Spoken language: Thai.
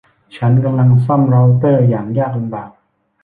ฉันกำลังซ่อมเร้าเตอร์อย่างยากลำบาก